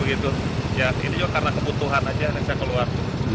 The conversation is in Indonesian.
ini juga karena kebutuhan aja nanti bisa keluar